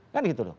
kan gitu loh